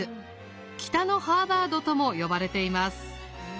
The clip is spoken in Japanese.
北のハーバードとも呼ばれています。